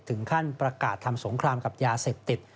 ถึงขั้นประกาศทำสงครามกับยาเสพติด